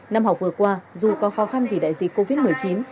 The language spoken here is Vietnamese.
năm học vừa qua dù có khó khăn vì đại dịch covid một mươi chín